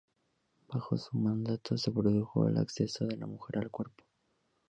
Bajo su mandato se produjo el acceso de la mujer al cuerpo.